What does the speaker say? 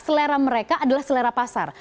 selera mereka adalah selera pasar